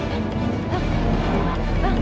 kita sebari lagi